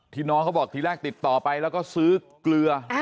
น้องเขาบอกทีแรกติดต่อไปแล้วก็ซื้อเกลือ